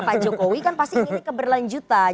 pak jokowi kan pasti ingin keberlanjutan